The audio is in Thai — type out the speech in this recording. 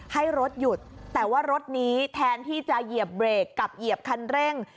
ให้รถหยุดแต่ว่ารถนี้แทนที่จะเหยียบเบรกกับเหยียบคันเร่ง